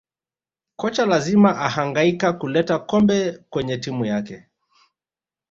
kocha lazima ahangaika kuleta kombe kwenye timu yake